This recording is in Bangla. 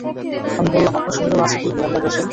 আমি বললাম, আপনার সঙ্গেও আছে কি, হে আল্লাহর রাসূল?